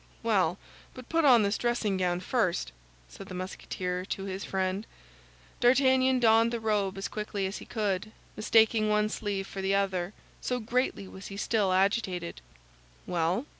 "Well, but put on this dressing gown first," said the Musketeer to his friend. D'Artagnan donned the robe as quickly as he could, mistaking one sleeve for the other, so greatly was he still agitated. "Well?"